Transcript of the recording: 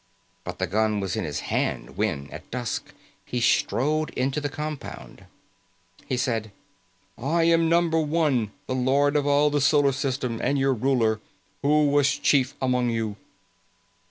But the gun was in his hand when, at dusk, he strode into the compound. He said, "I am Number One, the Lord of all the Solar System, and your ruler. Who was chief among you?"